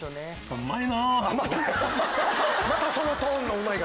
うまいな。